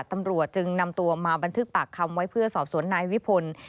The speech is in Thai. ตำรวจจึงนำตัวมาบันทึกปากคำไว้เพื่อสอบสวนนายวิพล